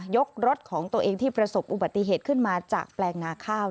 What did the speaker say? รถของตัวเองที่ประสบอุบัติเหตุขึ้นมาจากแปลงนาข้าว